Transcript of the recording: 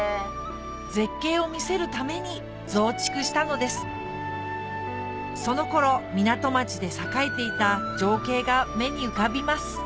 絶景を見せるために増築したのですその頃港町で栄えていた情景が目に浮かびます